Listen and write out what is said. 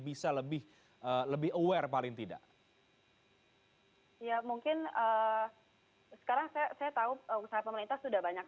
bisa lebih lebih aware paling tidak ya mungkin sekarang saya tahu usaha pemerintah sudah banyak